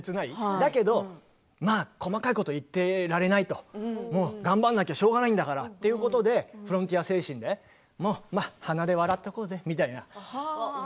だけど細かいことを言ってられないともう頑張らなきゃしょうがないんだからとフロンティア精神でまあ鼻で笑っておこうぜっていうような。